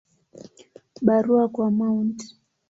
Barua kwa Mt.